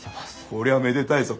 こりゃめでたいぞ。